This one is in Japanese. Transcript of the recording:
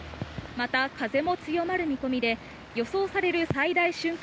また、風も強まる見込みで予想される最大瞬間